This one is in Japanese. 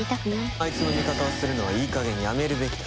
あいつの味方をするのはいい加減やめるべきだ。